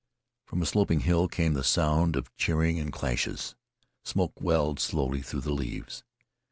From a sloping hill came the sound of cheerings and clashes. Smoke welled slowly through the leaves.